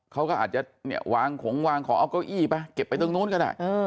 เขาก็อาจจะเนี่ยวางของวางขอเอาเก้าอี้ไปเก็บไปตรงนู้นก็ได้